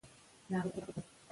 او د هر نوي عصر پر ور بیا ودرېږي